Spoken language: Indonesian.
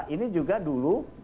ini juga dulu